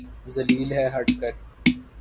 ذلیل ہے ہٹ کر